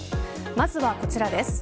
まずはこちらです。